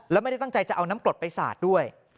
แล้วไม่ได้ตั้งใจจะเอาน้ำกรดไปสาดด้วย